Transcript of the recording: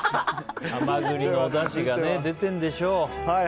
ハマグリのおだしが出てるんでしょうね。